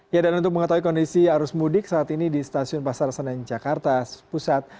ya dan untuk mengetahui kondisi arus mudik saat ini di stasiun pasar senen jakarta pusat